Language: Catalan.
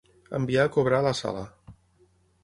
Enviar a cobrar a la Sala.